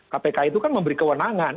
kpk itu kan memberi kewenangan